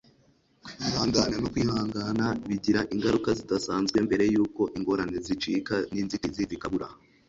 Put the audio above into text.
kwihangana no kwihangana bigira ingaruka zidasanzwe mbere yuko ingorane zicika n'inzitizi zikabura